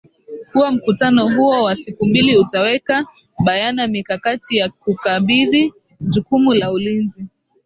kuwa mkutano huo wa siku mbili utaweka bayana mikakati ya kukabidhi jukumu la ulinzi